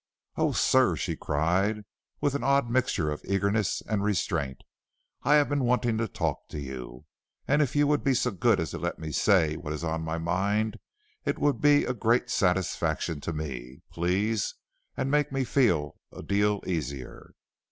"Oh, sir," she cried with an odd mixture of eagerness and restraint, "I have been wanting to talk to you, and if you would be so good as to let me say what is on my mind, it would be a great satisfaction to me, please, and make me feel a deal easier."